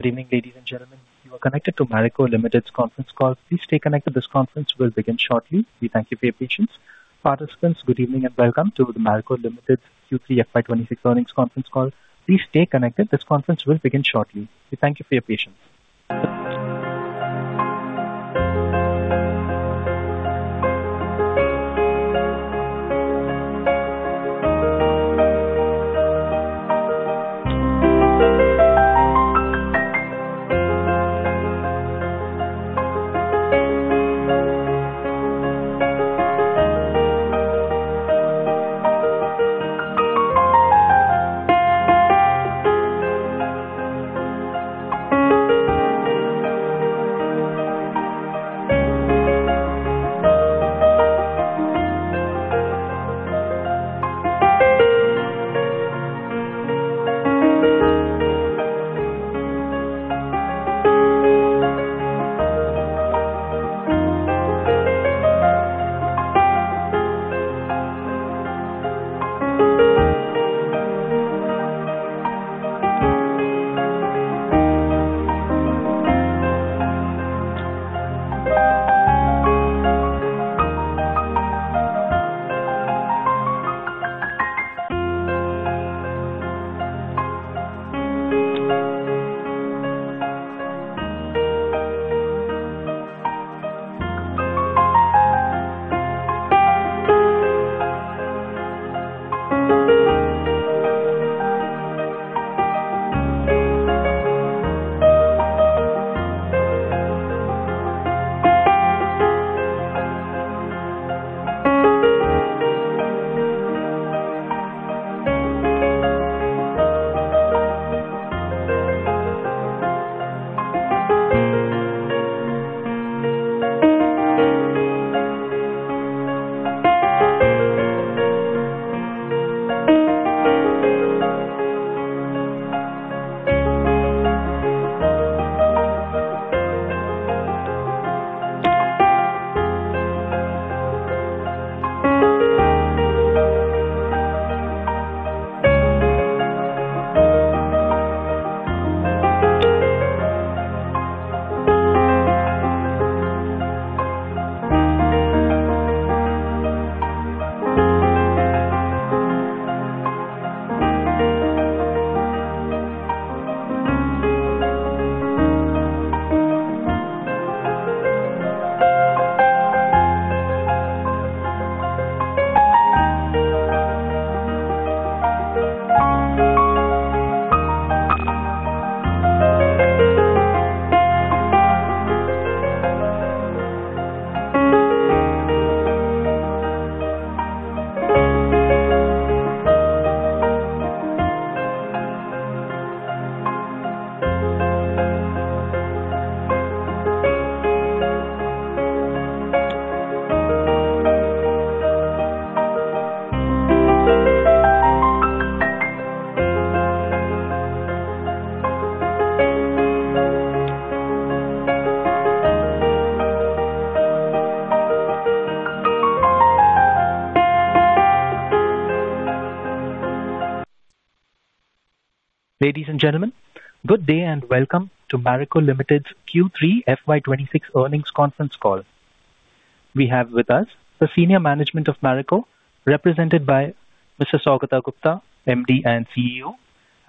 Good evening, ladies and gentlemen. You are connected to Marico Limited's Conference Call. Please stay connected, this conference will begin shortly. We thank you for your patience. Participants, good evening, and welcome to the Marico Limited Q3 FY26 earnings conference call. Please stay connected, this conference will begin shortly. We thank you for your patience. Ladies and gentlemen, good day, and welcome to Marico Limited's Q3 FY26 earnings conference call. We have with us the senior management of Marico, represented by Mr. Sougata Gupta, MD and CEO,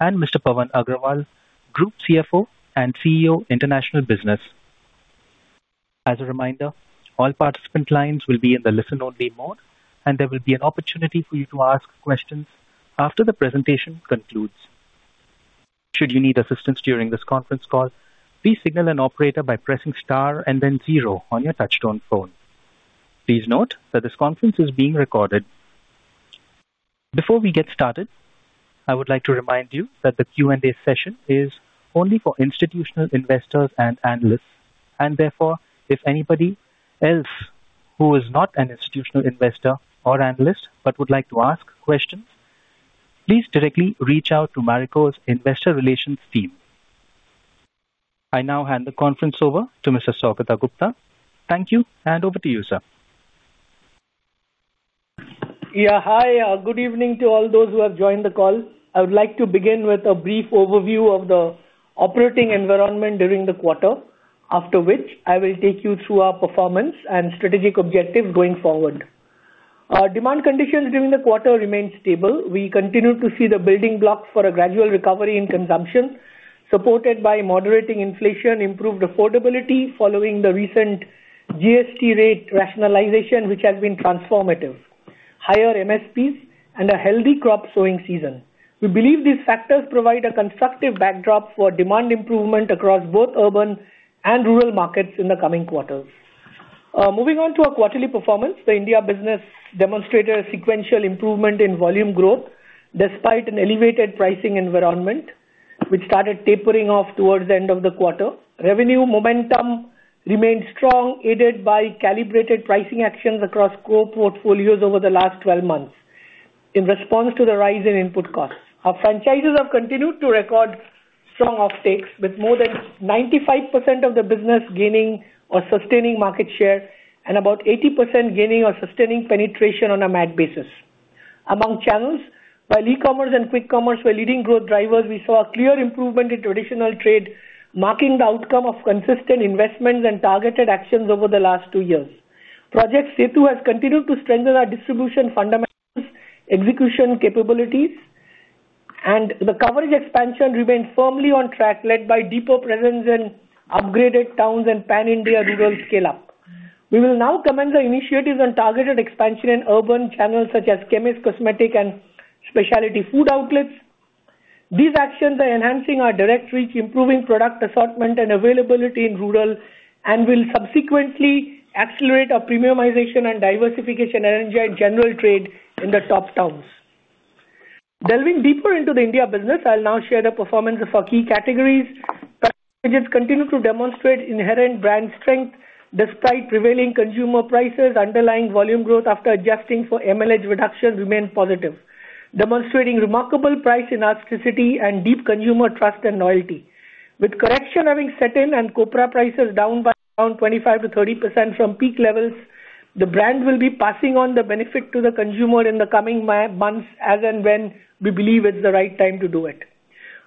and Mr. Pawan Agrawal, Group CFO and CEO, International Business. As a reminder, all participant lines will be in the listen-only mode, and there will be an opportunity for you to ask questions after the presentation concludes. Should you need assistance during this conference call, please signal an operator by pressing star and then zero on your touchtone phone. Please note that this conference is being recorded. Before we get started, I would like to remind you that the Q&A session is only for institutional investors and analysts, and therefore, if anybody else who is not an institutional investor or analyst but would like to ask questions, please directly reach out to Marico's investor relations team. I now hand the conference over to Mr. Sougata Gupta. Thank you, and over to you, sir. Yeah. Hi, good evening to all those who have joined the call. I would like to begin with a brief overview of the operating environment during the quarter, after which I will take you through our performance and strategic objectives going forward. Our demand conditions during the quarter remained stable. We continued to see the building blocks for a gradual recovery in consumption, supported by moderating inflation, improved affordability following the recent GST rate rationalization, which has been transformative, higher MSPs, and a healthy crop sowing season. We believe these factors provide a constructive backdrop for demand improvement across both urban and rural markets in the coming quarters. Moving on to our quarterly performance, the India business demonstrated a sequential improvement in volume growth despite an elevated pricing environment, which started tapering off towards the end of the quarter. Revenue momentum remained strong, aided by calibrated pricing actions across core portfolios over the last 12 months in response to the rise in input costs. Our franchises have continued to record strong offtakes, with more than 95% of the business gaining or sustaining market share and about 80% gaining or sustaining penetration on a MAT basis. Among channels, while e-commerce and quick commerce were leading growth drivers, we saw a clear improvement in traditional trade, marking the outcome of consistent investments and targeted actions over the last 2 years. Project SETU has continued to strengthen our distribution fundamentals, execution capabilities, and the coverage expansion remains firmly on track, led by deeper presence in upgraded towns and pan-India rural scale-up. We will now commence our initiatives on targeted expansion in urban channels, such as chemist, cosmetic, and specialty food outlets. These actions are enhancing our direct reach, improving product assortment and availability in rural, and will subsequently accelerate our premiumization and diversification energy and general trade in the top towns. Delving deeper into the India business, I'll now share the performance of our key categories. Continue to demonstrate inherent brand strength despite prevailing consumer prices, underlying volume growth after adjusting for MRP reduction remained positive, demonstrating remarkable price elasticity and deep consumer trust and loyalty. With correction having set in and copra prices down by around 25%-30% from peak levels, the brand will be passing on the benefit to the consumer in the coming months, as and when we believe it's the right time to do it.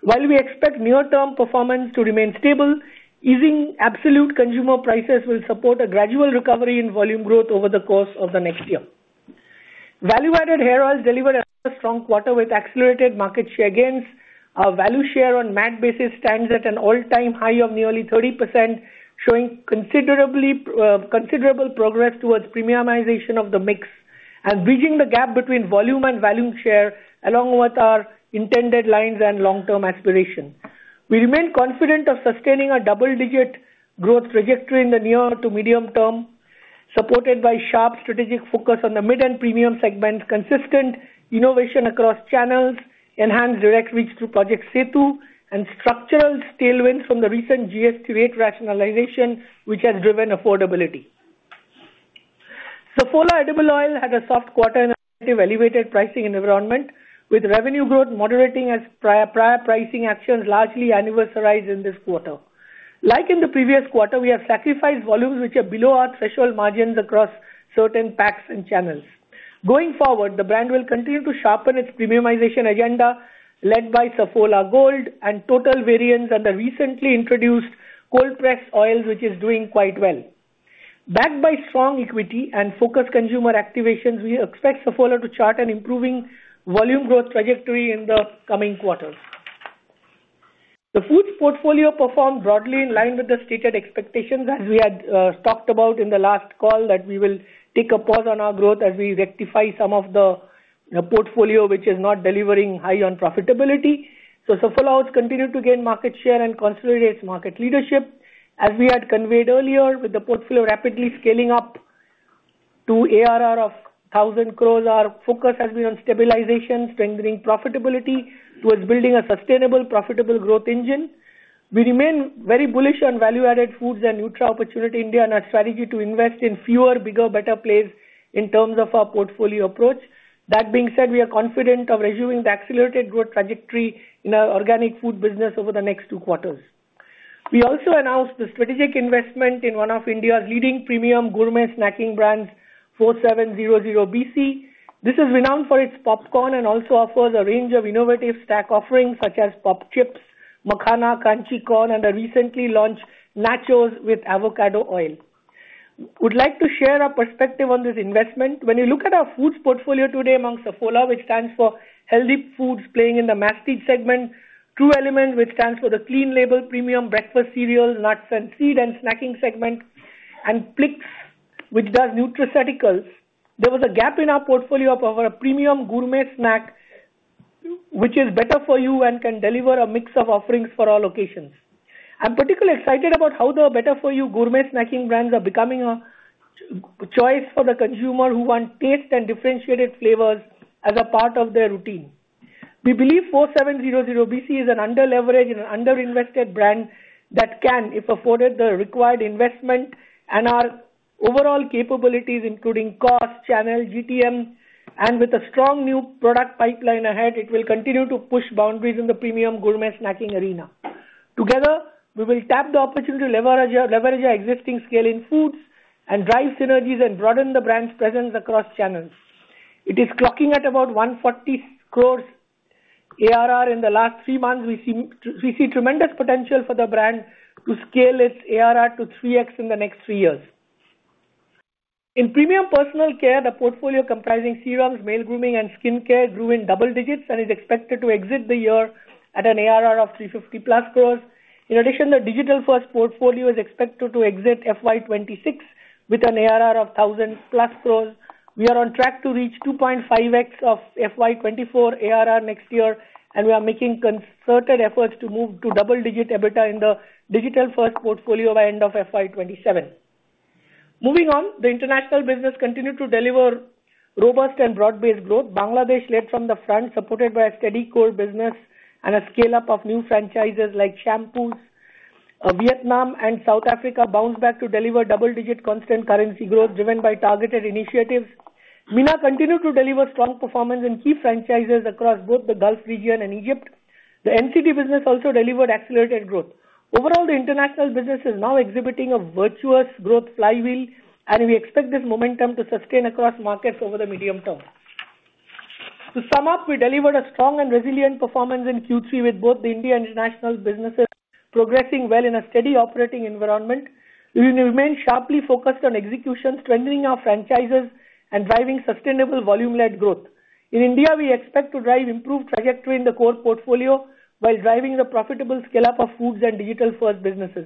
While we expect near-term performance to remain stable, easing absolute consumer prices will support a gradual recovery in volume growth over the course of the next year. Value-added hair oils delivered another strong quarter with accelerated market share gains. Our value share on MAT basis stands at an all-time high of nearly 30%, showing considerably, considerable progress towards premiumization of the mix and bridging the gap between volume and value share, along with our intended lines and long-term aspirations. We remain confident of sustaining a double-digit growth trajectory in the near to medium term, supported by sharp strategic focus on the mid and premium segments, consistent innovation across channels, enhanced direct reach through Project SETU, and structural tailwinds from the recent GST rate rationalization, which has driven affordability. Saffola edible oil had a soft quarter in a negative elevated pricing environment, with revenue growth moderating as prior, prior pricing actions largely anniversarized in this quarter. Like in the previous quarter, we have sacrificed volumes which are below our threshold margins across certain packs and channels. Going forward, the brand will continue to sharpen its premiumization agenda, led by Saffola Gold and total variants, and the recently introduced cold-pressed oil, which is doing quite well. Backed by strong equity and focused consumer activations, we expect Saffola to chart an improving volume growth trajectory in the coming quarters. The foods portfolio performed broadly in line with the stated expectations, as we had talked about in the last call, that we will take a pause on our growth as we rectify some of the, the portfolio which is not delivering high on profitability. So Saffola has continued to gain market share and consolidate market leadership. As we had conveyed earlier, with the portfolio rapidly scaling up to ARR of 1,000 crore, our focus has been on stabilization, strengthening profitability towards building a sustainable, profitable growth engine. We remain very bullish on value-added foods and nutra opportunity India, and our strategy to invest in fewer, bigger, better plays in terms of our portfolio approach. That being said, we are confident of resuming the accelerated growth trajectory in our organic food business over the next two quarters. We also announced the strategic investment in one of India's leading premium gourmet snacking brands, 4700BC. This is renowned for its popcorn and also offers a range of innovative snack offerings such as Pop Chips, makhana, crunchy corn, and a recently launched nachos with avocado oil. We'd like to share our perspective on this investment. When you look at our foods portfolio today, among Saffola, which stands for healthy foods, playing in the mass food segment, True Elements, which stands for the clean label, premium breakfast cereals, nuts and seeds, and snacking segment, and Plix, which does nutraceuticals, there was a gap in our portfolio of our premium gourmet snack, which is better for you and can deliver a mix of offerings for all occasions. I'm particularly excited about how the better-for-you gourmet snacking brands are becoming a choice for the consumer, who want taste and differentiated flavors as a part of their routine. We believe 4700BC is an underleveraged and an underinvested brand that can, if afforded the required investment and our overall capabilities, including cost, channel, GTM, and with a strong new product pipeline ahead, it will continue to push boundaries in the premium gourmet snacking arena. Together, we will tap the opportunity to leverage our existing scale in foods and drive synergies and broaden the brand's presence across channels. It is clocking at about 140 crores ARR. In the last three months, we see tremendous potential for the brand to scale its ARR to 3x in the next three years. In premium personal care, the portfolio comprising serums, male grooming, and skincare grew in double digits and is expected to exit the year at an ARR of 350+ crores. In addition, the digital-first portfolio is expected to exit FY 2026 with an ARR of 1,000+ crores. We are on track to reach 2.5x of FY 2024 ARR next year, and we are making concerted efforts to move to double-digit EBITDA in the digital-first portfolio by end of FY 2027. Moving on, the international business continued to deliver robust and broad-based growth. Bangladesh led from the front, supported by a steady core business and a scale-up of new franchises like shampoos. Vietnam and South Africa bounced back to deliver double-digit constant currency growth, driven by targeted initiatives. MENA continued to deliver strong performance in key franchises across both the Gulf region and Egypt.... The NCD business also delivered accelerated growth. Overall, the international business is now exhibiting a virtuous growth flywheel, and we expect this momentum to sustain across markets over the medium term. To sum up, we delivered a strong and resilient performance in Q3, with both the India international businesses progressing well in a steady operating environment. We will remain sharply focused on execution, strengthening our franchises and driving sustainable volume-led growth. In India, we expect to drive improved trajectory in the core portfolio while driving the profitable scale-up of foods and digital-first businesses.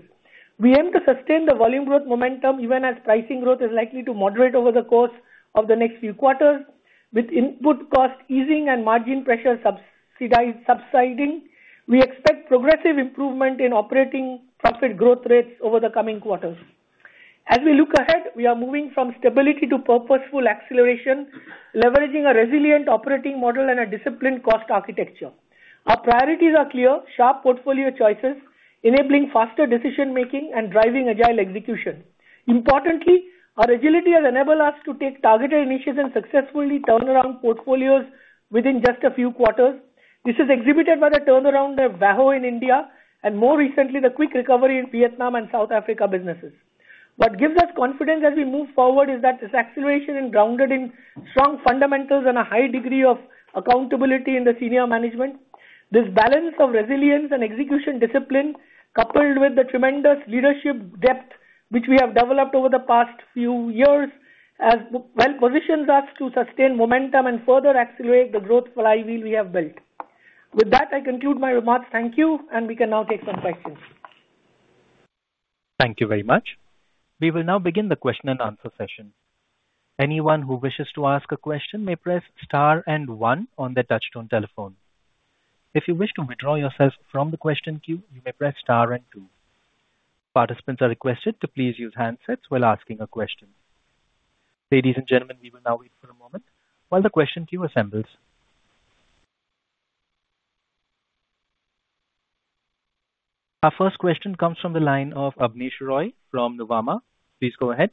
We aim to sustain the volume growth momentum even as pricing growth is likely to moderate over the course of the next few quarters, with input cost easing and margin pressure subsiding. We expect progressive improvement in operating profit growth rates over the coming quarters. As we look ahead, we are moving from stability to purposeful acceleration, leveraging a resilient operating model and a disciplined cost architecture. Our priorities are clear: sharp portfolio choices, enabling faster decision-making and driving agile execution. Importantly, our agility has enabled us to take targeted initiatives and successfully turn around portfolios within just a few quarters. This is exhibited by the turnaround of Vaho in India and more recently, the quick recovery in Vietnam and South Africa businesses. What gives us confidence as we move forward is that this acceleration is grounded in strong fundamentals and a high degree of accountability in the senior management. This balance of resilience and execution discipline, coupled with the tremendous leadership depth which we have developed over the past few years, has well-positioned us to sustain momentum and further accelerate the growth flywheel we have built. With that, I conclude my remarks. Thank you, and we can now take some questions. Thank you very much. We will now begin the question-and-answer session. Anyone who wishes to ask a question may press star and one on their touchtone telephone. If you wish to withdraw yourself from the question queue, you may press star and two. Participants are requested to please use handsets while asking a question. Ladies and gentlemen, we will now wait for a moment while the question queue assembles. Our first question comes from the line of Abneesh Roy from Nuvama. Please go ahead.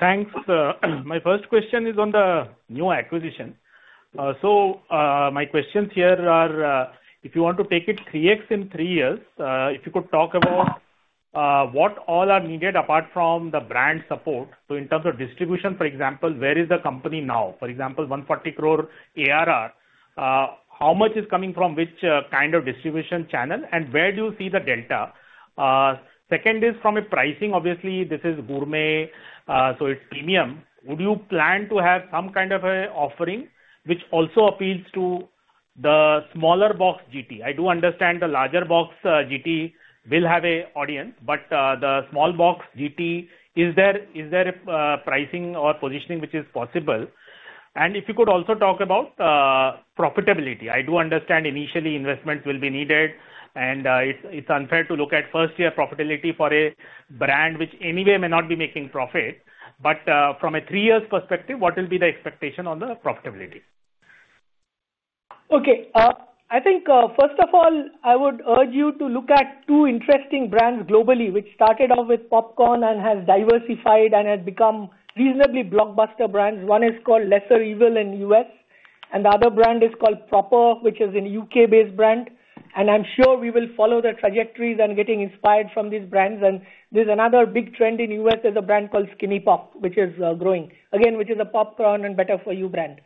Thanks. My first question is on the new acquisition. So, my questions here are, if you want to take it 3x in three years, if you could talk about what all are needed apart from the brand support. So in terms of distribution, for example, where is the company now? For example, 140 crore ARR. How much is coming from which kind of distribution channel, and where do you see the delta? Second is from a pricing. Obviously, this is gourmet, so it's premium. Would you plan to have some kind of a offering, which also appeals to the smaller box GT? I do understand the larger box GT will have an audience, but the small box GT, is there a pricing or positioning which is possible? And if you could also talk about profitability. I do understand initially investment will be needed, and it's unfair to look at first-year profitability for a brand which anyway may not be making profit. But from a three-year perspective, what will be the expectation on the profitability? Okay, I think, first of all, I would urge you to look at two interesting brands globally, which started off with popcorn and has diversified and has become reasonably blockbuster brands. One is called LesserEvil in U.S., and the other brand is called Proper, which is a U.K.-based brand. And I'm sure we will follow their trajectories and getting inspired from these brands. And there's another big trend in U.S., there's a brand called SkinnyPop, which is growing, again, which is a popcorn and better-for-you brand.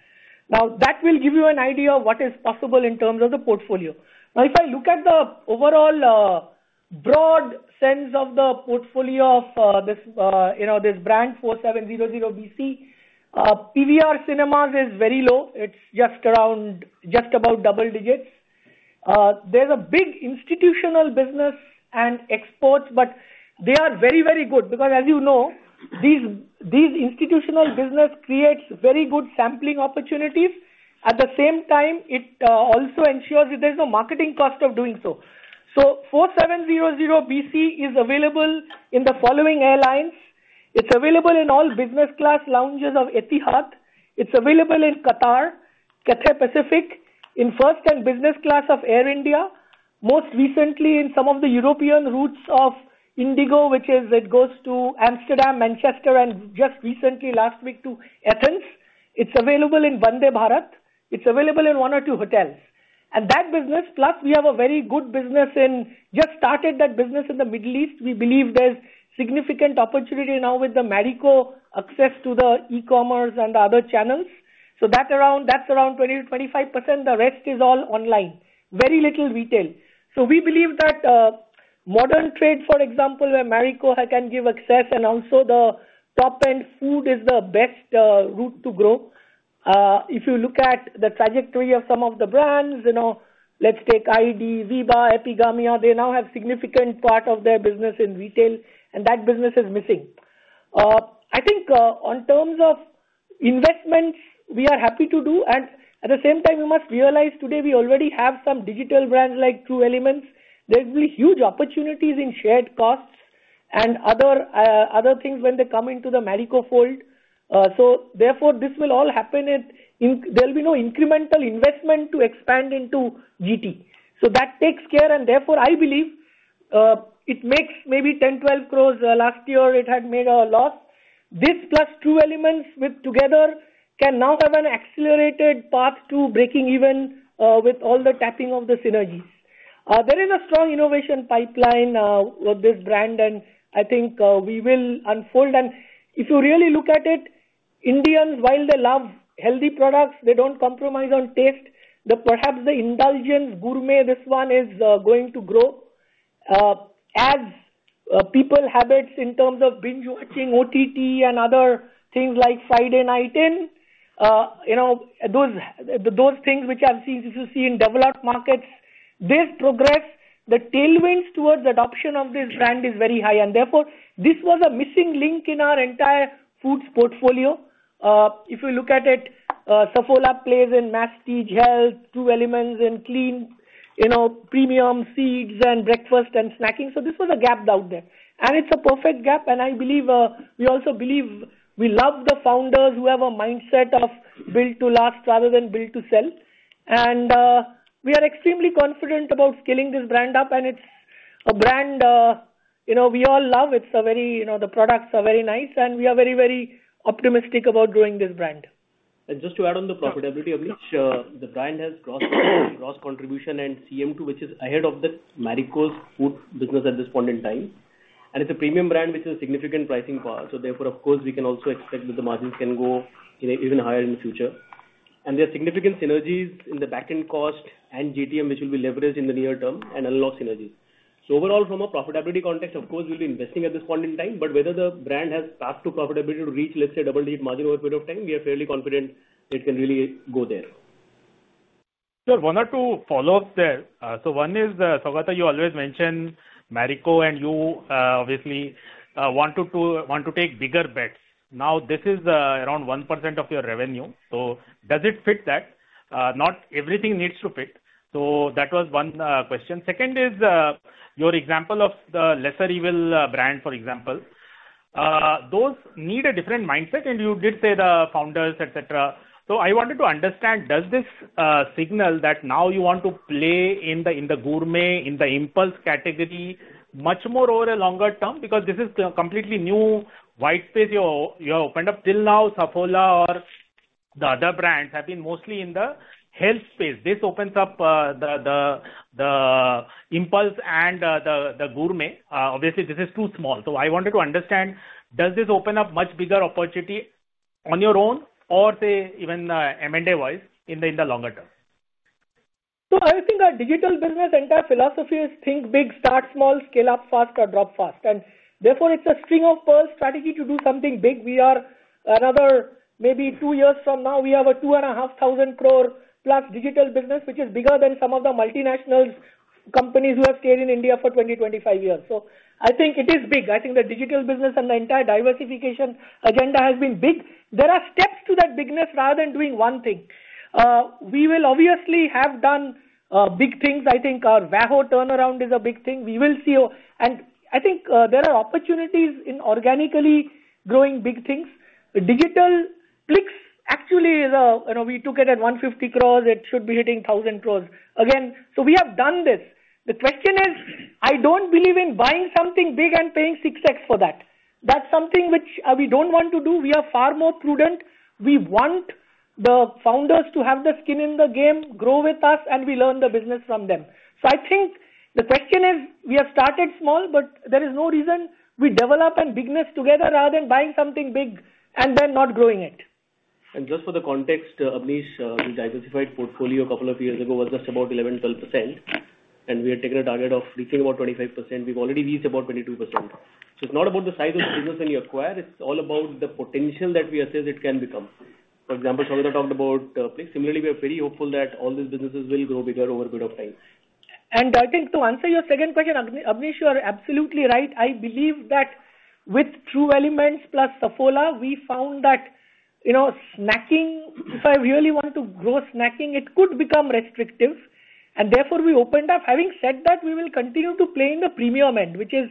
Now, that will give you an idea of what is possible in terms of the portfolio. Now, if I look at the overall, broad sense of the portfolio of, this, you know, this brand, 4700BC, PVR Cinemas is very low. It's just around, just about double digits. There's a big institutional business and exports, but they are very, very good because, as you know, these, these institutional business creates very good sampling opportunities. At the same time, it also ensures that there's no marketing cost of doing so. So 4700BC is available in the following airlines. It's available in all business class lounges of Etihad. It's available in Qatar, Cathay Pacific, in first and business class of Air India. Most recently in some of the European routes of IndiGo, which is, it goes to Amsterdam, Manchester, and just recently, last week to Athens. It's available in Vande Bharat. It's available in one or two hotels. And that business, plus we have a very good business in... Just started that business in the Middle East. We believe there's significant opportunity now with the Marico access to the e-commerce and the other channels. So that's around 20%-25%. The rest is all online, very little retail. So we believe that modern trade, for example, where Marico can give access and also the top-end food is the best route to grow. If you look at the trajectory of some of the brands, you know, let's take iD, Veeba, Epigamia, they now have significant part of their business in retail, and that business is missing. I think in terms of investments, we are happy to do, and at the same time, you must realize today we already have some digital brands like True Elements. There'll be huge opportunities in shared costs and other things when they come into the Marico fold. So therefore, this will all happen incrementally--there will be no incremental investment to expand into GT. So that takes care, and therefore, I believe it makes maybe 10 crores, 12 crores. Last year, it had made a loss. This +2 elements with together can now have an accelerated path to breaking even, with all the tapping of the synergies. There is a strong innovation pipeline with this brand, and I think we will unfold. And if you really look at it, Indians, while they love healthy products, they don't compromise on taste. The perhaps the indulgence gourmet, this one is going to grow. As people habits in terms of binge-watching OTT and other things like Friday night in, you know, those, those things which I've seen, which you see in developed markets, this progress, the tailwinds towards adoption of this brand is very high, and therefore, this was a missing link in our entire foods portfolio. If you look at it, Saffola plays in mass stage health, True Elements in clean, you know, premium seeds and breakfast and snacking. So this was a gap out there, and it's a perfect gap, and I believe, we also believe we love the founders who have a mindset of build to last rather than build to sell. We are extremely confident about scaling this brand up, and it's a brand, you know, we all love. It's a very, you know, the products are very nice, and we are very, very optimistic about growing this brand. Just to add on the profitability, Abneesh, the brand has gross, gross contribution and CM2, which is ahead of Marico's food business at this point in time. And it's a premium brand, which has significant pricing power. So therefore, of course, we can also expect that the margins can go, you know, even higher in the future. And there are significant synergies in the back-end cost and GTM, which will be leveraged in the near term and unlock synergies. So overall, from a profitability context, of course, we'll be investing at this point in time, but whether the brand has path to profitability to reach, let's say, double-digit margin over a period of time, we are fairly confident it can really go there. Sir, one or two follow-ups there. So one is, Saugata, you always mention Marico, and you obviously want to take bigger bets. Now, this is around 1% of your revenue, so does it fit that? Not everything needs to fit. So that was one question. Second is, your example of the LesserEvil brand, for example. Those need a different mindset, and you did say the founders, et cetera. So I wanted to understand, does this signal that now you want to play in the gourmet, in the impulse category much more over a longer term? Because this is completely new white space you have opened up. Till now, Saffola or the other brands have been mostly in the health space. This opens up the impulse and the gourmet. Obviously, this is too small. So I wanted to understand, does this open up much bigger opportunity on your own or, say, even M&A-wise, in the longer term? So I think our digital business entire philosophy is think big, start small, scale up fast or drop fast. And therefore, it's a string of pearls strategy to do something big. We are another, maybe two years from now, we have a 2,500 crore+ digital business, which is bigger than some of the multinationals companies who have stayed in India for 20 years, 25 years. So I think it is big. I think the digital business and the entire diversification agenda has been big. There are steps to that bigness rather than doing one thing. We will obviously have done big things. I think our VAHO turnaround is a big thing. We will see... And I think there are opportunities in organically growing big things. Digital Plix, actually, is, you know, we took it at 150 crore. It should be hitting 1,000 crore. Again, so we have done this. The question is, I don't believe in buying something big and paying 6x for that. That's something which, we don't want to do. We are far more prudent. We want the founders to have the skin in the game, grow with us, and we learn the business from them. So I think the question is, we have started small, but there is no reason we develop and bigness together rather than buying something big and then not growing it. And just for the context, Abneesh, we diversified portfolio a couple of years ago, was just about 11%-12%, and we have taken a target of reaching about 25%. We've already reached about 22%. So it's not about the size of the business when you acquire, it's all about the potential that we assess it can become. For example, Saugata talked about, Plix. Similarly, we are very hopeful that all these businesses will grow bigger over a period of time. I think to answer your second question, Abneesh, you are absolutely right. I believe that with True Elements plus Saffola, we found that, you know, snacking, if I really want to grow snacking, it could become restrictive, and therefore we opened up. Having said that, we will continue to play in the premium end, which is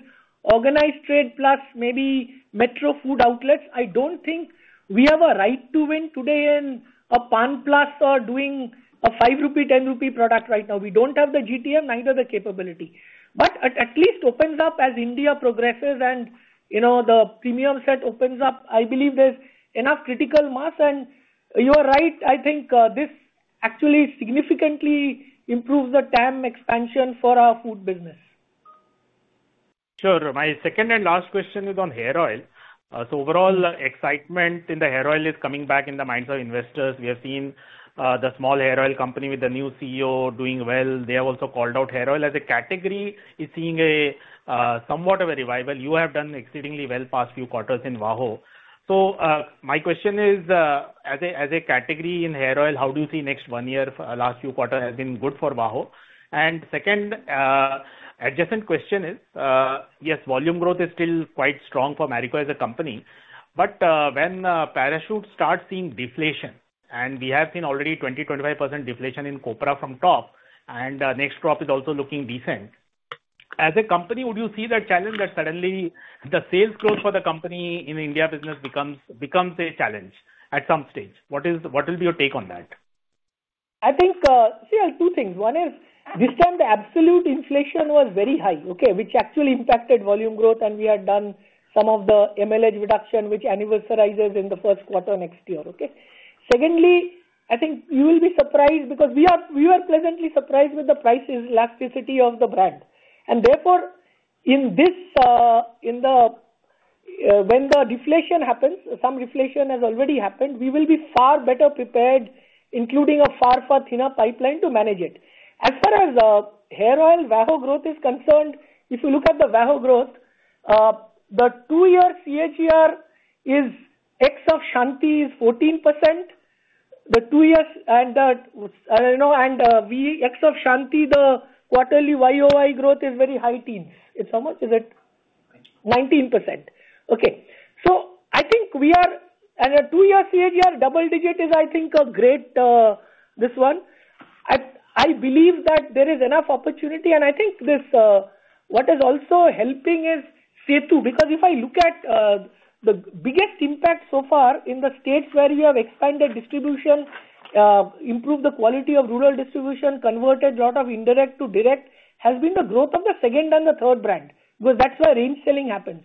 organized trade plus maybe metro food outlets. I don't think we have a right to win today in a pan plus or doing a 5 rupee, 10 rupee product right now. We don't have the GTM, neither the capability. But it at least opens up as India progresses and, you know, the premium set opens up, I believe there's enough critical mass. You are right, I think, this actually significantly improves the TAM expansion for our food business. Sure. My second and last question is on hair oil. So overall excitement in the hair oil is coming back in the minds of investors. We have seen the small hair oil company with the new CEO doing well. They have also called out hair oil as a category, is seeing a somewhat of a revival. You have done exceedingly well past few quarters in VAHO. So my question is, as a, as a category in hair oil, how do you see next one year? Last few quarters has been good for VAHO. And second, adjacent question is, yes, volume growth is still quite strong for Marico as a company, but when Parachute starts seeing deflation, and we have seen already 20%-25% deflation in copra from top, and next drop is also looking decent. As a company, would you see that challenge that suddenly the sales growth for the company in India business becomes a challenge at some stage? What will be your take on that? I think, see, there are two things. One is, this time the absolute inflation was very high, okay, which actually impacted volume growth, and we had done some of the MRP reduction, which anniversaries in the first quarter next year, okay? Secondly, I think you will be surprised because we are, we were pleasantly surprised with the price elasticity of the brand. And therefore, in this, in the, when the deflation happens, some deflation has already happened, we will be far better prepared, including a far, far thinner pipeline to manage it. As far as, hair oil Vaho growth is concerned, if you look at the Vaho growth, the two-year CAGR is of Shanti 14%. The two years and the, you know, and, we of Shanti, the quarterly YOY growth is very high teens. It's how much? Is it's 19%. Okay. So I think we are, as a two-year CAGR, double digit is, I think, a great this one. I, I believe that there is enough opportunity, and I think this what is also helping is SETU, because if I look at the biggest impact so far in the states where we have expanded distribution, improved the quality of rural distribution, converted a lot of indirect to direct, has been the growth of the second and the third brand, because that's where range selling happens.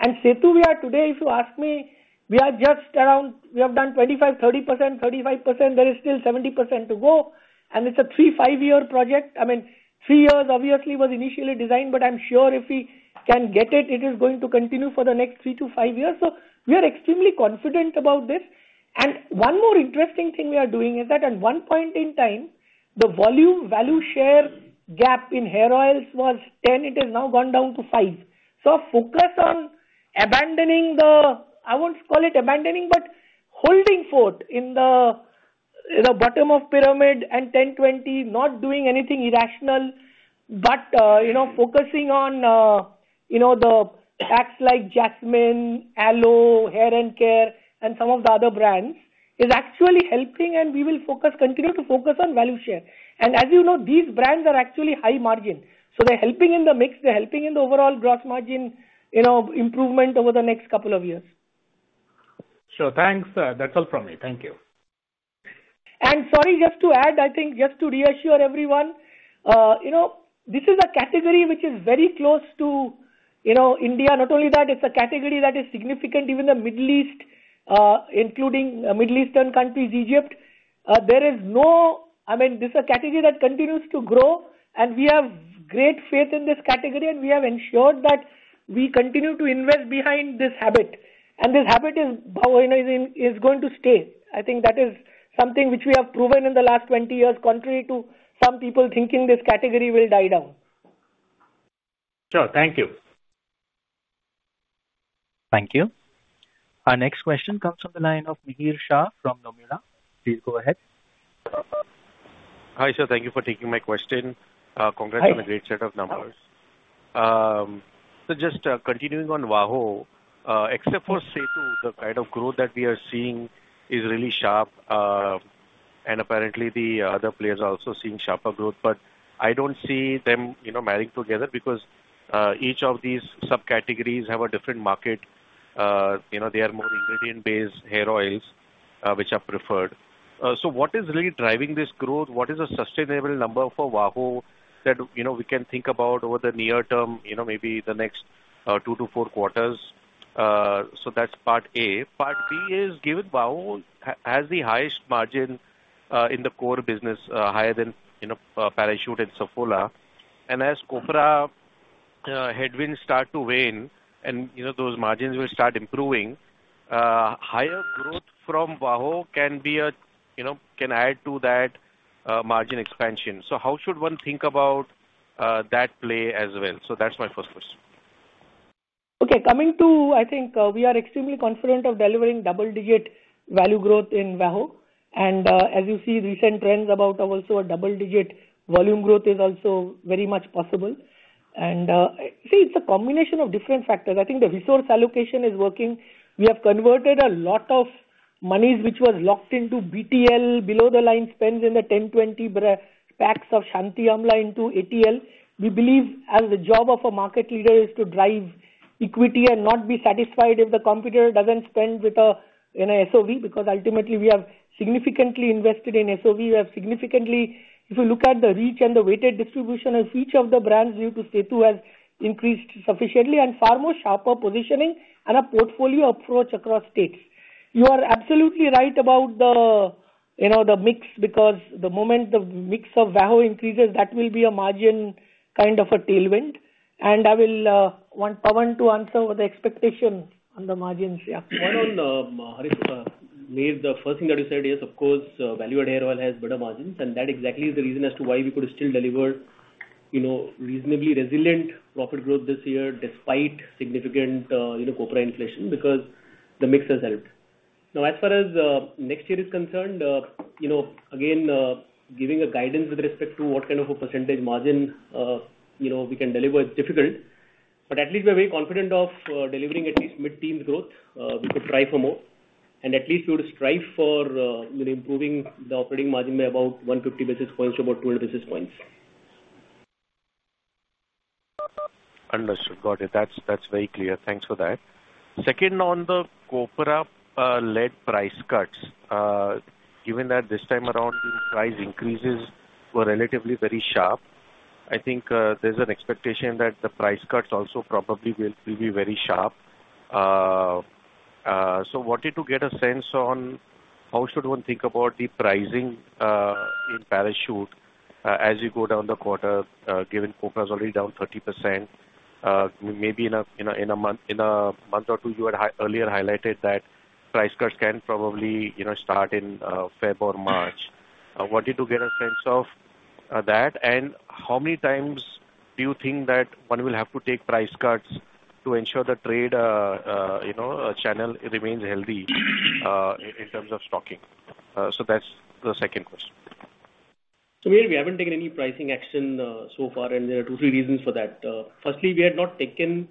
And SETU, we are today, if you ask me, we are just around, we have done 25%, 30%, 35%. There is still 70% to go, and it's a 3 years-5-year project. I mean, three years obviously was initially designed, but I'm sure if we can get it, it is going to continue for the next three to five years. So we are extremely confident about this. One more interesting thing we are doing is that at one point in time, the volume value share gap in hair oils was 10, it has now gone down to five. So focus on abandoning the... I won't call it abandoning, but holding forth in the bottom of pyramid and 10/20, not doing anything irrational, but you know, focusing on you know, the packs like Jasmine, Aloe, Hair & Care, and some of the other brands, is actually helping, and we will continue to focus on value share. As you know, these brands are actually high margin, so they're helping in the mix, they're helping in the overall gross margin, you know, improvement over the next couple of years. Sure, thanks. That's all from me. Thank you. Sorry, just to add, I think, just to reassure everyone, you know, this is a category which is very close to, you know, India. Not only that, it's a category that is significant, even the Middle East, including Middle Eastern countries, Egypt. I mean, this is a category that continues to grow, and we have great faith in this category, and we have ensured that we continue to invest behind this habit. And this habit is, how I know, is going to stay. I think that is something which we have proven in the last 20 years, contrary to some people thinking this category will die down. Sure. Thank you. Thank you. Our next question comes from the line of Mihir Shah from Nomura. Please go ahead. Hi, sir. Thank you for taking my question. Hi. Congrats on a great set of numbers. So just continuing on Vaho, except for Setu, the kind of growth that we are seeing is really sharp, and apparently the other players are also seeing sharper growth. But I don't see them, you know, marrying together because each of these subcategories have a different market. You know, they are more ingredient-based hair oils, which are preferred. So what is really driving this growth? What is a sustainable number for Vaho that, you know, we can think about over the near term, you know, maybe the next two to four quarters? So that's part A. Part B is, given Vaho has the highest margin in the core business, higher than, you know, Parachute and Saffola. And as copra headwinds start to wane and, you know, those margins will start improving, higher growth from Vaho can be a, you know, can add to that, margin expansion. So how should one think about that play as well? So that's my first question. Okay. Coming to... I think, we are extremely confident of delivering double-digit value growth in VAHO. As you see, recent trends about also a double-digit volume growth is also very much possible. See, it's a combination of different factors. I think the resource allocation is working. We have converted a lot of monies which was locked into BTL, below the line, spends in the 10 packs, 20 packs of Shanti Amla into ATL. We believe, as the job of a market leader is to drive equity and not be satisfied if the competitor doesn't spend, in a SOV, because ultimately we have significantly invested in SOV. We have significantly... If you look at the reach and the weighted distribution of each of the brands due to Setu, has increased sufficiently and far more sharper positioning and a portfolio approach across states. You are absolutely right about the, you know, the mix, because the moment the mix of VAHO increases, that will be a margin kind of a tailwind. And I will want Pawan to answer what the expectation on the margins are. On one, Harit, Mihir, the first thing that you said is, of course, value-added hair oil has better margins, and that exactly is the reason as to why we could still deliver, you know, reasonably resilient profit growth this year, despite significant, you know, copra inflation, because the mix has helped. Now, as far as next year is concerned, you know, again, giving a guidance with respect to what kind of a percentage margin, you know, we can deliver is difficult, but at least we're very confident of delivering at least mid-teen growth. We could try for more, and at least we would strive for, you know, improving the operating margin by about 150 basis points to about 200 basis points. Understood. Got it. That's, that's very clear. Thanks for that. Second, on the copra-led price cuts, given that this time around price increases were relatively very sharp, I think, there's an expectation that the price cuts also probably will, will be very sharp. So wanted to get a sense on how should one think about the pricing in Parachute as you go down the quarter, given copra's already down 30%. Maybe in a month or two, you had earlier highlighted that price cuts can probably, you know, start in February or March. I wanted to get a sense of that, and how many times do you think that one will have to take price cuts to ensure the trade channel remains healthy in terms of stocking? So that's the second question. So we, we haven't taken any pricing action so far, and there are two, three reasons for that. Firstly, we had not taken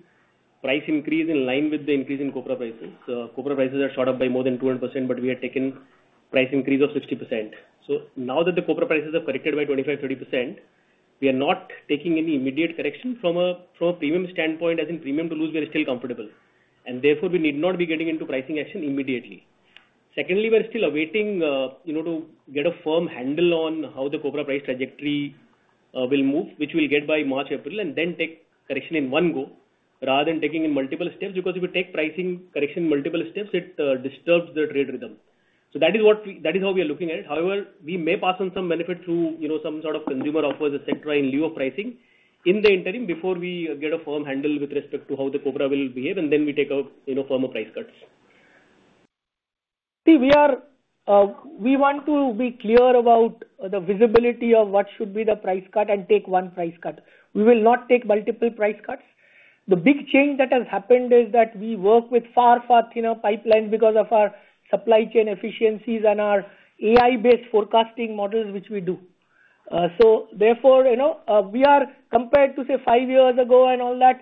price increase in line with the increase in copra prices. Copra prices shot up by more than 200%, but we had taken price increase of 60%. So now that the copra prices are corrected by 25%-30%, we are not taking any immediate correction from a premium standpoint, as in premium to lose, we are still comfortable, and therefore, we need not be getting into pricing action immediately. Secondly, we are still awaiting you know, to get a firm handle on how the copra price trajectory will move, which we'll get by March-April, and then take correction in one go, rather than taking in multiple steps. Because if you take pricing correction in multiple steps, it disturbs the trade rhythm. That is how we are looking at it. However, we may pass on some benefit through, you know, some sort of consumer offers, et cetera, in lieu of pricing in the interim before we get a firm handle with respect to how the copra will behave, and then we take out, you know, firmer price cuts. See, we are, we want to be clear about the visibility of what should be the price cut and take one price cut. We will not take multiple price cuts. The big change that has happened is that we work with far, far, you know, pipelines because of our supply chain efficiencies and our AI-based forecasting models, which we do. So therefore, you know, we are compared to, say, five years ago and all that,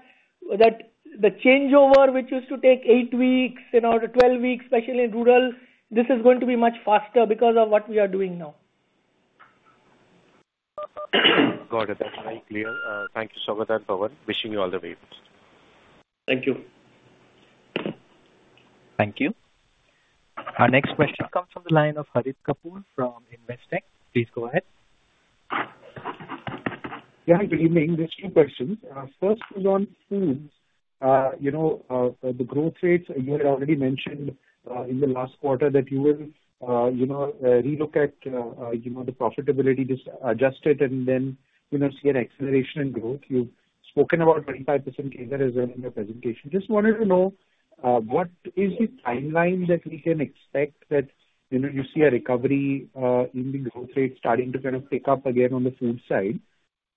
that the changeover, which used to take eight weeks, you know, to 12 weeks, especially in rural, this is going to be much faster because of what we are doing now. Got it. That's very clear. Thank you so much, Pawan. Wishing you all the best. Thank you. Thank you. Our next question comes from the line of Harit Kapoor from Investec. Please go ahead. Yeah, good evening. There's two questions. First is on foods. You know, the growth rates, you had already mentioned in the last quarter that you will you know, relook at you know, the profitability, just adjust it and then, you know, see an acceleration in growth. You've spoken about 25% CAGR in your presentation. Just wanted to know, what is the timeline that we can expect that, you know, you see a recovery in the growth rate starting to kind of pick up again on the food side?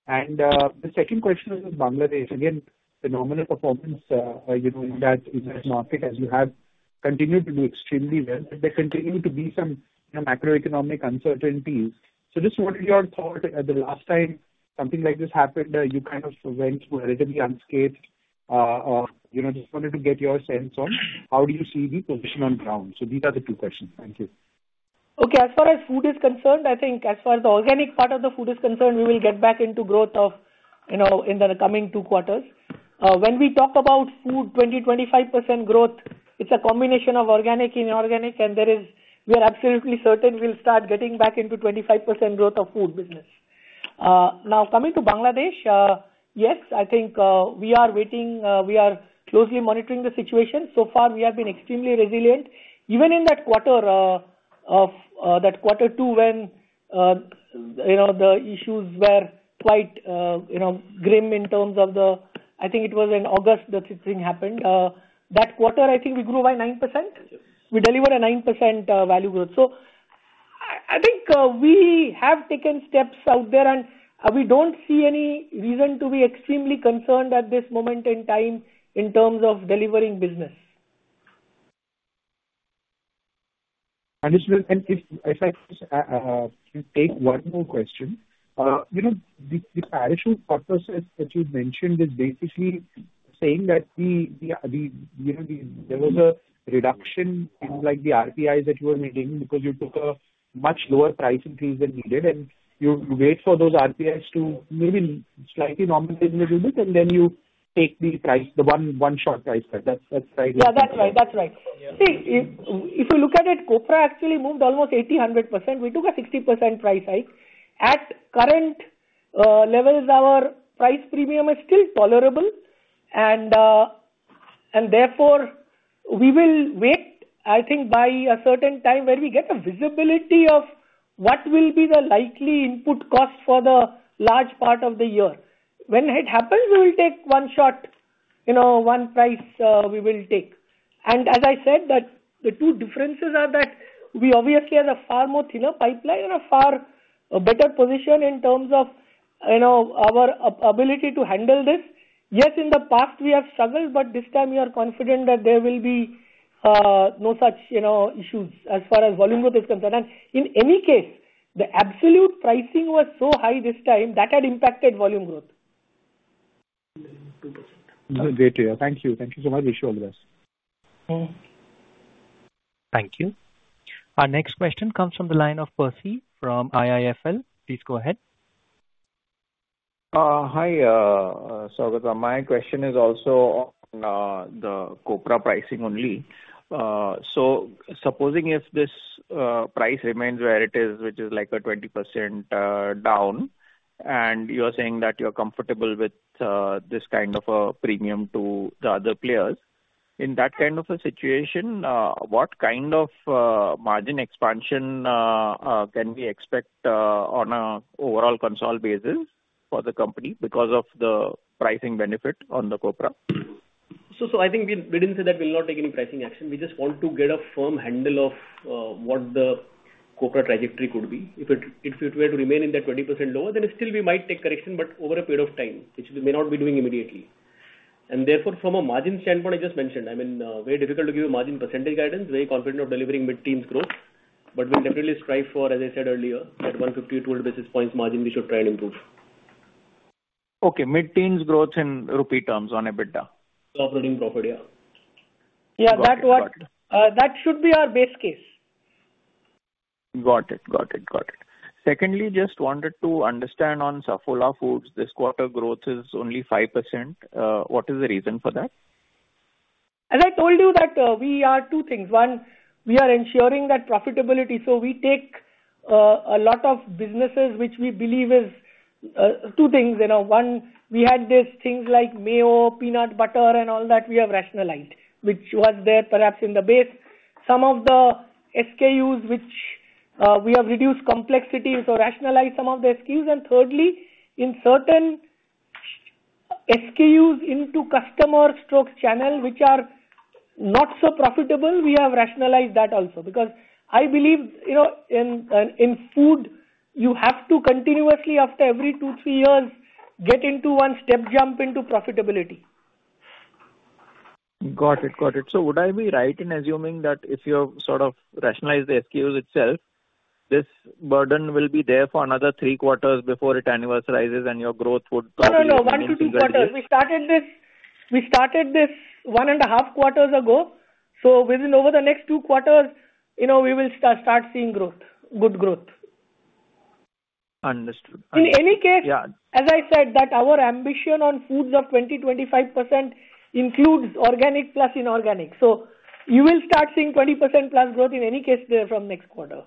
And, the second question is on Bangladesh. Again, phenomenal performance, you know, in that, in that market, as you have continued to do extremely well, but there continue to be some macroeconomic uncertainties. So just wanted your thought, the last time something like this happened, you kind of went through relatively unscathed. You know, just wanted to get your sense on how do you see the position on ground? So these are the two questions. Thank you. Okay. As far as food is concerned, I think as far as the organic part of the food is concerned, we will get back into growth of, you know, in the coming two quarters. When we talk about food, 20-25% growth, it's a combination of organic, inorganic, and there is... We are absolutely certain we'll start getting back into 25% growth of food business. Now, coming to Bangladesh, yes, I think, we are waiting, we are closely monitoring the situation. So far, we have been extremely resilient. Even in that quarter, of, that quarter two, when, you know, the issues were quite, you know, grim in terms of the-- I think it was in August that this thing happened. That quarter, I think we grew by 9%? Yes. We delivered a 9% value growth. So I think we have taken steps out there, and we don't see any reason to be extremely concerned at this moment in time in terms of delivering business. If I could take one more question. You know, the Parachute process that you've mentioned is basically saying that the, you know, there was a reduction in, like, the RPIs that you were making because you took a much lower price increase than you did, and you wait for those RPIs to maybe slightly normalize a little bit, and then you take the one short price tag. That's right? Yeah, that's right. That's right. Yeah. See, if you look at it, copra actually moved almost 80%-100%. We took a 60% price hike. At current levels, our price premium is still tolerable, and therefore, we will wait, I think, by a certain time, where we get visibility of what will be the likely input cost for the large part of the year. When it happens, we will take one shot, you know, one price, we will take. And as I said, that the two differences are that we obviously have a far more thinner pipeline and a far better position in terms of, you know, our ability to handle this. Yes, in the past we have struggled, but this time we are confident that there will be no such, you know, issues as far as volume growth is concerned. In any case, the absolute pricing was so high this time, that had impacted volume growth. Great to hear. Thank you. Thank you so much. Wish you all the best. Mm-hmm. Thank you. Our next question comes from the line of Percy from IIFL. Please go ahead. Hi, Saugata. My question is also on the copra pricing only. So supposing if this price remains where it is, which is like a 20% down, and you are saying that you're comfortable with this kind of a premium to the other players. In that kind of a situation, what kind of margin expansion can we expect on a overall consolidated basis for the company because of the pricing benefit on the copra? So I think we didn't say that we'll not take any pricing action. We just want to get a firm handle of what the copra trajectory could be. If it were to remain in that 20% lower, then still we might take correction, but over a period of time, which we may not be doing immediately. And therefore, from a margin standpoint, I just mentioned, I mean, very difficult to give you a margin percentage guidance, very confident of delivering mid-teens growth. But we'll definitely strive for, as I said earlier, that 150 to 200 basis points margin we should try and improve. Okay, mid-teens growth in rupee terms on EBITDA. Operating profit, yeah. Yeah, that what- Got it. That should be our base case. Got it. Got it. Got it. Secondly, just wanted to understand on Saffola Foods, this quarter growth is only 5%. What is the reason for that? As I told you that, we are two things: One, we are ensuring that profitability, so we take, a lot of businesses which we believe is, two things, you know. One, we had these things like mayo, peanut butter and all that, we have rationalized, which was there perhaps in the base. Some of the SKUs which, we have reduced complexity, so rationalized some of the SKUs. And thirdly, in certain SKUs into customer/channel, which are not so profitable, we have rationalized that also. Because I believe, you know, in, in food, you have to continuously, after every two, three years, get into one step jump into profitability. Got it. Got it. So would I be right in assuming that if you have sort of rationalized the SKUs itself, this burden will be there for another three quarters before it annualizes and your growth would probably- No, no, no. 1-2 quarters. We started this 1.5 quarters ago, so within over the next 2 quarters, you know, we will start seeing growth, good growth. Understood. In any case- Yeah. As I said, that our ambition on foods of 20%-25% includes organic plus inorganic. So you will start seeing 20%+ growth in any case there from next quarter.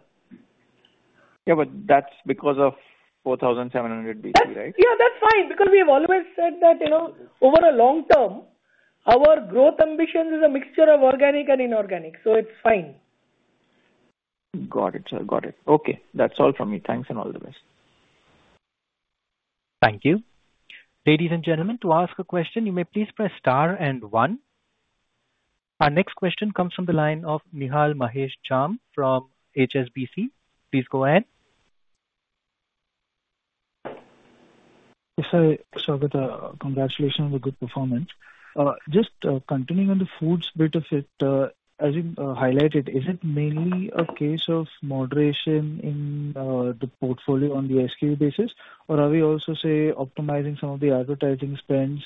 Yeah, but that's because of 4700BC, right? That's... Yeah, that's fine, because we have always said that, you know, over a long term, our growth ambition is a mixture of organic and inorganic, so it's fine. Got it. So got it. Okay, that's all from me. Thanks and all the best. Thank you. Ladies and gentlemen, to ask a question, you may please press star and one. Our next question comes from the line of Nihal Mahesh Jham from HSBC. Please go ahead. Yes, sir, Saugata, congratulations on the good performance. Just, continuing on the foods bit of it, as you highlighted, is it mainly a case of moderation in the portfolio on the SKU basis? Or are we also, say, optimizing some of the advertising spends,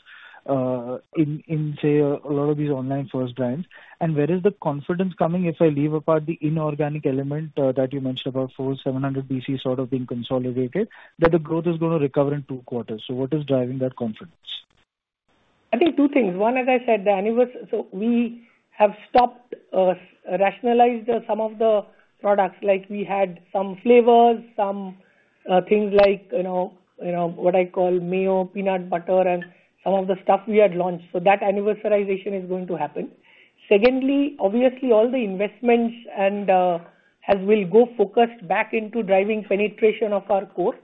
in say, a lot of these online first brands? And where is the confidence coming, if I leave apart the inorganic element, that you mentioned about 4700BC sort of being consolidated, that the growth is going to recover in two quarters. So what is driving that confidence? I think two things. One, as I said, the anniversary, so we have stopped, rationalized, some of the products, like we had some flavors, some things like, you know, you know, what I call mayo, peanut butter and some of the stuff we had launched. So that anniversarization is going to happen. Secondly, obviously, all the investments and, as we go focused back into driving penetration of our core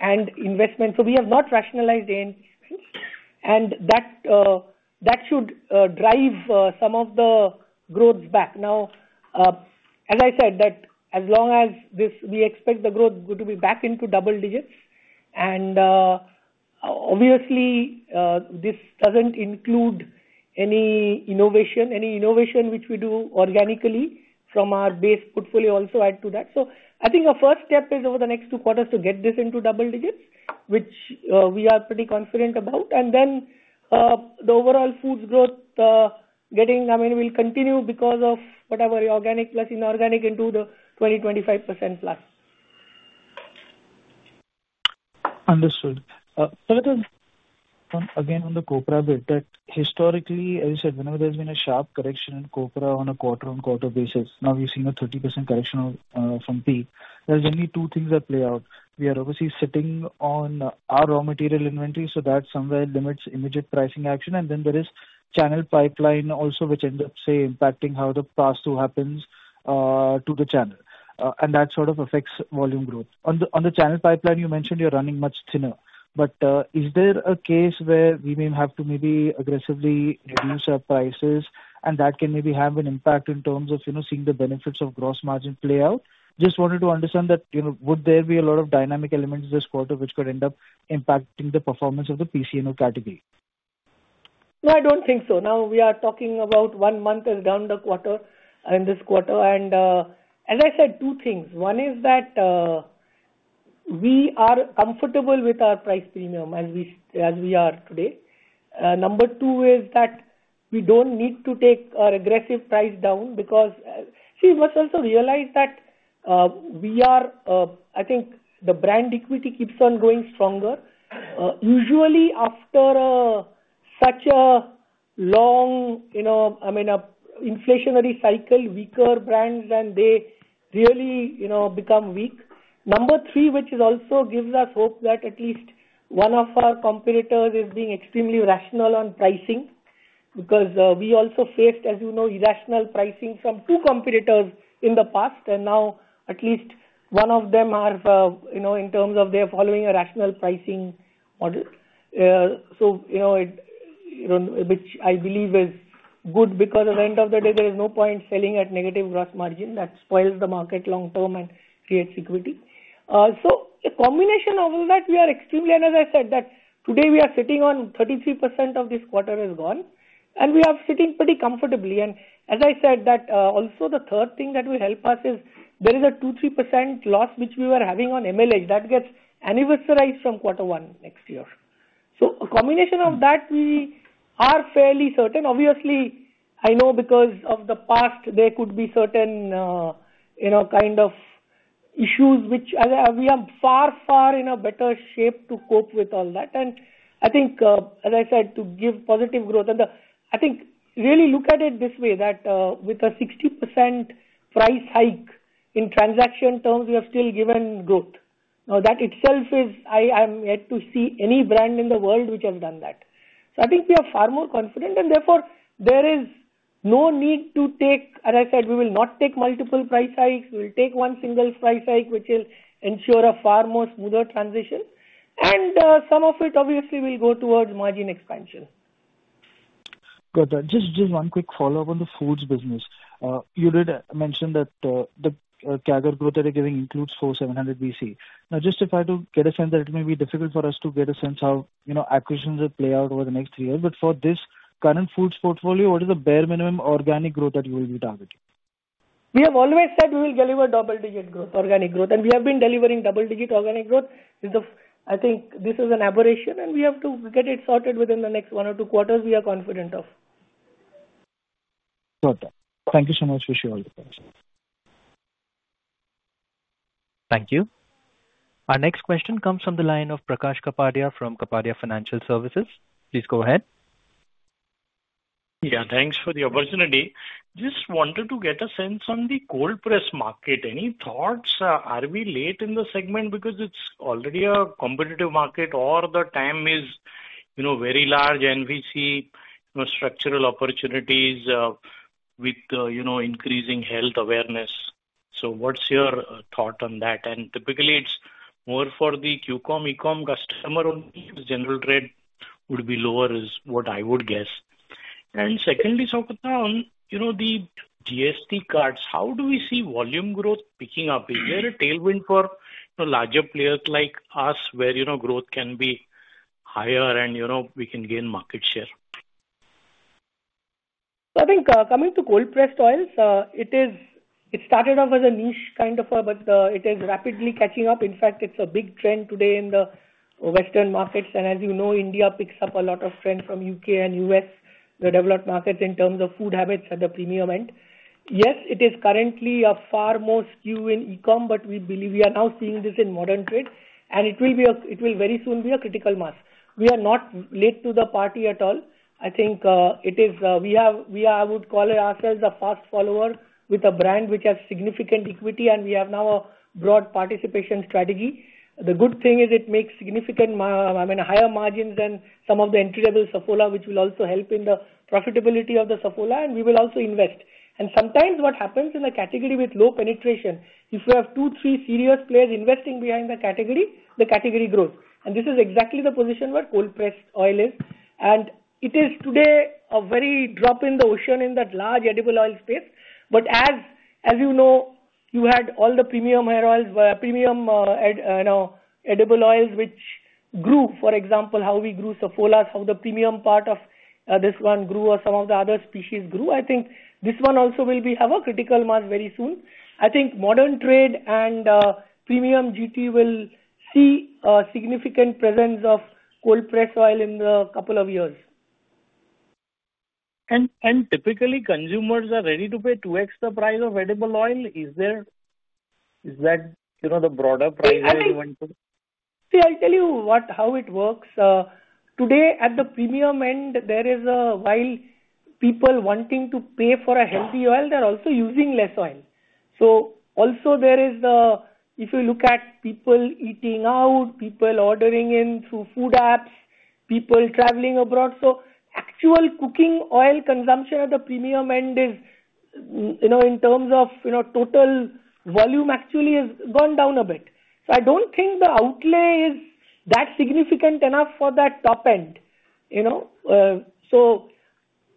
and investment. So we have not rationalized anything, and that, that should drive some of the growth back. Now, as I said, that as long as this, we expect the growth go, to be back into double digits. And, obviously, this doesn't include any innovation, any innovation which we do organically from our base portfolio also add to that. I think our first step is over the next two quarters to get this into double digits, which we are pretty confident about. And then, the overall foods growth, I mean, will continue because of whatever organic plus inorganic into the 20%-25%+. Understood. Second, again, on the copra bit, that historically, as you said, whenever there's been a sharp correction in copra on a quarter-on-quarter basis, now we're seeing a 30% correction from peak. There's only two things at play. We are obviously sitting on our raw material inventory, so that somewhere limits immediate pricing action. And then there is channel pipeline also, which ends up, say, impacting how the pass-through happens to the channel, and that sort of affects volume growth. On the channel pipeline, you mentioned you're running much thinner, but is there a case where we may have to maybe aggressively reduce our prices, and that can maybe have an impact in terms of, you know, seeing the benefits of gross margin play out? Just wanted to understand that, you know, would there be a lot of dynamic elements this quarter which could end up impacting the performance of the PCNO category? No, I don't think so. Now, we are talking about one month is down the quarter, in this quarter. As I said, two things. One is that, we are comfortable with our price premium as we, as we are today. Number two is that we don't need to take our aggressive price down because, see, you must also realize that, we are, I think the brand equity keeps on growing stronger. Usually after, such a long, you know, I mean, an inflationary cycle, weaker brands and they really, you know, become weak. Number three, which is also gives us hope that at least one of our competitors is being extremely rational on pricing, because, we also faced, as you know, irrational pricing from two competitors in the past, and now at least one of them are, you know, in terms of they are following a rational pricing model. So, you know, it, you know, which I believe is good, because at the end of the day, there is no point selling at negative gross margin. That spoils the market long term and creates equity. So a combination of all that, we are extremely... And as I said that today we are sitting on 33% of this quarter is gone, and we are sitting pretty comfortably. And as I said, that, also the third thing that will help us is there is a 2%-3% loss which we were having on MRP, that gets anniversarized from quarter one next year. So a combination of that, we are fairly certain. Obviously, I know because of the past, there could be certain, you know, kind of issues which we are far, far in a better shape to cope with all that. And I think, as I said, to give positive growth, and, I think really look at it this way, that, with a 60% price hike in transaction terms, we have still given growth. Now, that itself is, I'm yet to see any brand in the world which has done that. So I think we are far more confident, and therefore, there is no need to take... As I said, we will not take multiple price hikes. We will take one single price hike, which will ensure a far more smoother transition. Some of it obviously will go towards margin expansion. Got that. Just, just one quick follow-up on the foods business. You did mention that the CAGR growth that you're giving includes 4700BC. Now, just to get a sense that it may be difficult for us to get a sense how, you know, acquisitions will play out over the next three years. But for this current foods portfolio, what is the bare minimum organic growth that you will be targeting? We have always said we will deliver double-digit growth, organic growth, and we have been delivering double-digit organic growth. This is, I think this is an aberration, and we have to get it sorted within the next 1 or 2 quarters, we are confident of. Got that. Thank you so much. Wish you all the best. Thank you. Our next question comes from the line of Prakash Kapadia from Kapadia Financial Services. Please go ahead. Yeah, thanks for the opportunity. Just wanted to get a sense on the cold-pressed market. Any thoughts? Are we late in the segment because it's already a competitive market, or the time is, you know, very large and we see, you know, structural opportunities, with, you know, increasing health awareness? So what's your thought on that? And typically, it's more for the Q-com, Ecom customer only, the general trade would be lower, is what I would guess. And secondly, so, on, you know, the GST cuts, how do we see volume growth picking up? Is there a tailwind for, you know, larger players like us, where, you know, growth can be higher and, you know, we can gain market share? I think, coming to cold-pressed oils, it started off as a niche kind of, but it is rapidly catching up. In fact, it's a big trend today in the Western markets. And as you know, India picks up a lot of trends from U.K. and U.S., the developed markets, in terms of food habits at the premium end. Yes, it is currently a far more skew in e-com, but we believe we are now seeing this in modern trade, and it will very soon be a critical mass. We are not late to the party at all. I think, we are, I would call ourselves a fast follower with a brand which has significant equity, and we have now a broad participation strategy. The good thing is it makes significantly higher margins than some of the entry-level Saffola, which will also help in the profitability of the Saffola, and we will also invest. Sometimes what happens in a category with low penetration, if you have two, three serious players investing behind the category, the category grows. And this is exactly the position where cold-pressed oil is. And it is today a very drop in the ocean in that large edible oil space. But as you know, you had all the premium hair oils, premium edible oils, which grew. For example, how we grew Saffola, how the premium part of this one grew or some of the other spaces grew. I think this one also will have a critical mass very soon. I think modern trade and premium GT will see a significant presence of cold-pressed oil in the couple of years. Typically, consumers are ready to pay 2x price of edible oil. Is that, you know, the broader price you want to- See, I'll tell you what, how it works. Today, at the premium end, there is a, while people wanting to pay for a healthy oil, they're also using less oil. So also there is the, if you look at people eating out, people ordering in through food apps, people traveling abroad, so actual cooking oil consumption at the premium end is, you know, in terms of, you know, total volume actually has gone down a bit. So I don't think the outlay is that significant enough for that top end, you know? So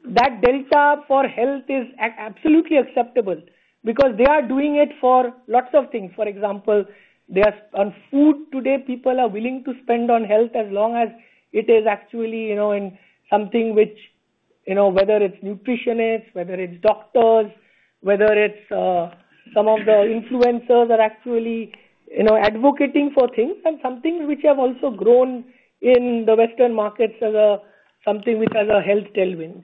that delta for health is absolutely acceptable because they are doing it for lots of things. For example, they are... On food today, people are willing to spend on health as long as it is actually, you know, in something which-... You know, whether it's nutritionists, whether it's doctors, whether it's, some of the influencers are actually, you know, advocating for things and some things which have also grown in the Western markets as, something which has a health tailwind.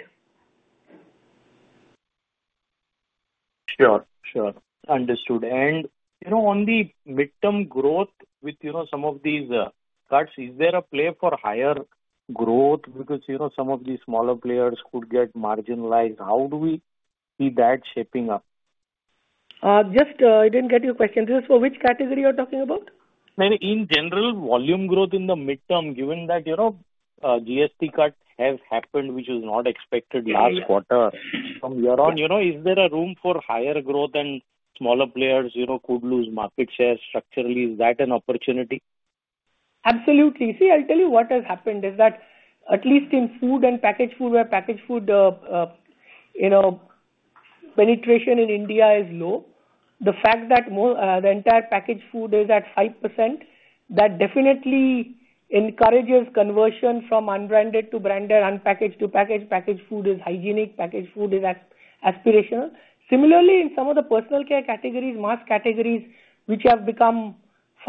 Sure, sure. Understood. And you know, on the midterm growth with, you know, some of these cuts, is there a play for higher growth? Because, you know, some of these smaller players could get marginalized. How do we see that shaping up? Just, I didn't get your question. So which category you're talking about? No, in general, volume growth in the midterm, given that, you know, GST cut has happened, which was not expected last quarter. From here on, you know, is there a room for higher growth and smaller players, you know, could lose market share structurally? Is that an opportunity? Absolutely. See, I'll tell you what has happened is that at least in food and packaged food, where packaged food, you know, penetration in India is low. The fact that more, the entire packaged food is at 5%, that definitely encourages conversion from unbranded to branded, unpackaged to packaged. Packaged food is hygienic, packaged food is aspirational. Similarly, in some of the personal care categories, mass categories, which have become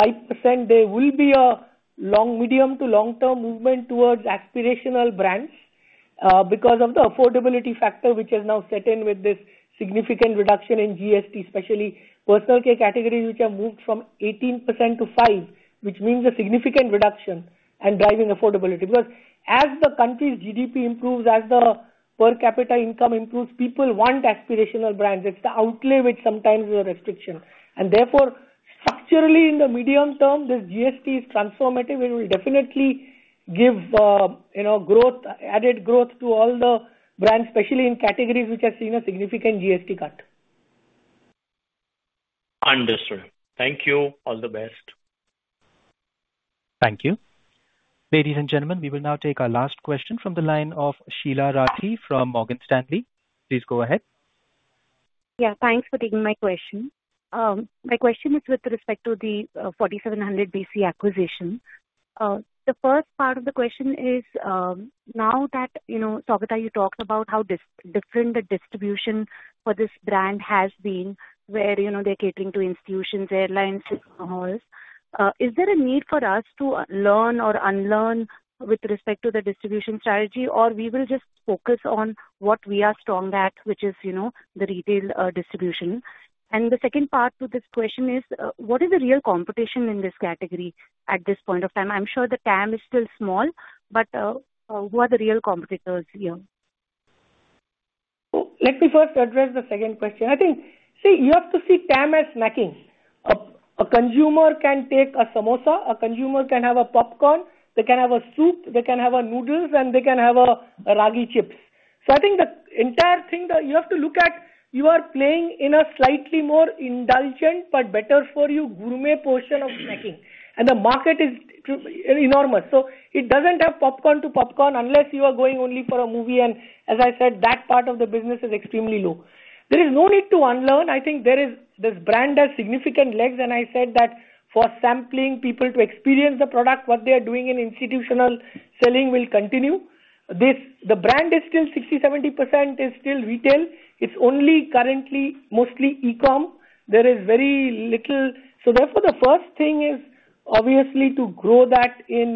5%, there will be a long, medium to long-term movement towards aspirational brands, because of the affordability factor, which has now set in with this significant reduction in GST, especially personal care categories, which have moved from 18% to 5%, which means a significant reduction and driving affordability. Because as the country's GDP improves, as the per capita income improves, people want aspirational brands. It's the outlay which sometimes is a restriction, and therefore, structurally, in the medium term, this GST is transformative and will definitely give, you know, growth, added growth to all the brands, especially in categories which have seen a significant GST cut. Understood. Thank you. All the best. Thank you. Ladies and gentlemen, we will now take our last question from the line of Sheela Rathi from Morgan Stanley. Please go ahead. Yeah, thanks for taking my question. My question is with respect to the 4700BC acquisition. The first part of the question is, now that, you know, Sougata, you talked about how different the distribution for this brand has been, where, you know, they're catering to institutions, airlines, and malls. Is there a need for us to learn or unlearn with respect to the distribution strategy? Or we will just focus on what we are strong at, which is, you know, the retail distribution. And the second part to this question is, what is the real competition in this category at this point of time? I'm sure the TAM is still small, but who are the real competitors here? Let me first address the second question. I think... See, you have to see TAM as snacking. A, a consumer can take a samosa, a consumer can have a popcorn, they can have a soup, they can have a noodles, and they can have a, a ragi chips. So I think the entire thing that you have to look at, you are playing in a slightly more indulgent but better for you gourmet portion of snacking, and the market is enormous. So it doesn't have popcorn to popcorn, unless you are going only for a movie, and as I said, that part of the business is extremely low. There is no need to unlearn. I think there is, this brand has significant legs, and I said that for sampling people to experience the product, what they are doing in institutional selling will continue. This, the brand is still 60%-70%, is still retail. It's only currently mostly e-com. There is very little. So therefore, the first thing is obviously to grow that in,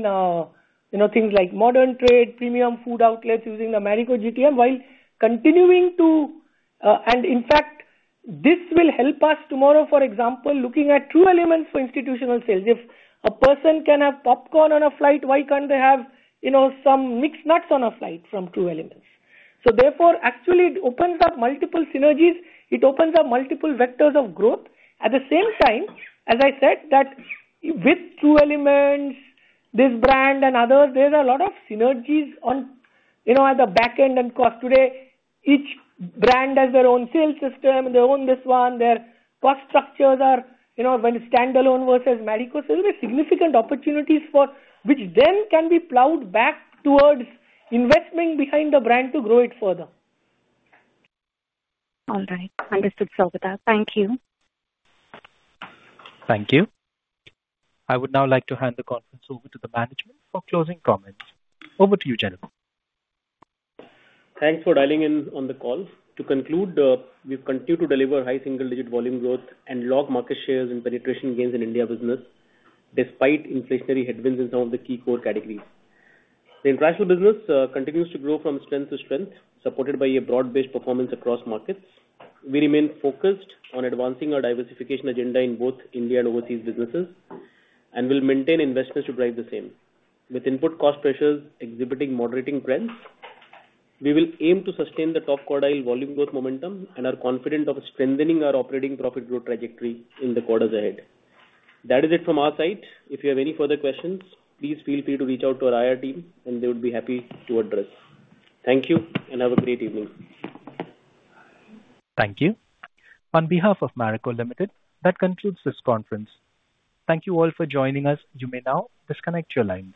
you know, things like modern trade, premium food outlets using the Marico GTM, while continuing to. And in fact, this will help us tomorrow, for example, looking at True Elements for institutional sales. If a person can have popcorn on a flight, why can't they have, you know, some mixed nuts on a flight from True Elements? So therefore, actually it opens up multiple synergies. It opens up multiple vectors of growth. At the same time, as I said, that with True Elements, this brand and others, there are a lot of synergies on, you know, at the back end and cost. Today, each brand has their own sales system, they own this one, their cost structures are, you know, when it's standalone versus Marico. So there are significant opportunities for, which then can be plowed back towards investment behind the brand to grow it further. All right. Understood, Sougata. Thank you. Thank you. I would now like to hand the conference over to the management for closing comments. Over to you, Jennifer. Thanks for dialing in on the call. To conclude, we've continued to deliver high single-digit volume growth and log market shares and penetration gains in India business, despite inflationary headwinds in some of the key core categories. The international business continues to grow from strength to strength, supported by a broad-based performance across markets. We remain focused on advancing our diversification agenda in both India and overseas businesses, and will maintain investments to drive the same. With input cost pressures exhibiting moderating trends, we will aim to sustain the top quartile volume growth momentum and are confident of strengthening our operating profit growth trajectory in the quarters ahead. That is it from our side. If you have any further questions, please feel free to reach out to our IR team and they would be happy to address. Thank you, and have a great evening. Thank you. On behalf of Marico Limited, that concludes this conference. Thank you all for joining us. You may now disconnect your lines.